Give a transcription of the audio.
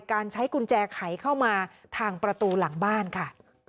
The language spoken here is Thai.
การใช้กุญแจไขเข้ามาทางประตูหลังบ้านค่ะ